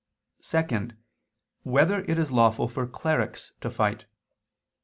(2) Whether it is lawful for clerics to fight?